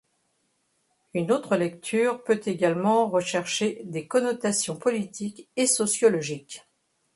Une autre lecture peut également rechercher des connotations politiques et sociologiques.